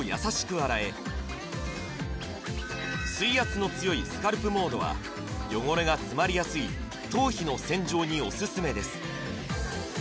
洗え水圧の強いスカルプモードは汚れが詰まりやすい頭皮の洗浄にオススメです